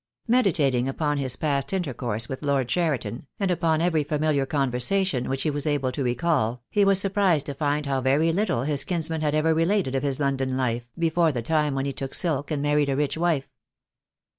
Meditating upon his past intercourse with Lord Cheriton, and upon every familiar conversation which he was able to recall, he was surprised to find how very 58 THE DAY WILL COME. little his kinsman had ever related of his London life, before the time when he took silk and married a rich wife.